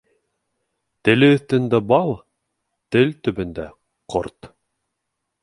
Теле өҫтөндә бал, тел төбөндә ҡорт.